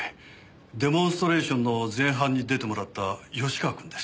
デモンストレーションの前半に出てもらった芳川くんです。